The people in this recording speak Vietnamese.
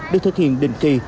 được thực hiện định kỳ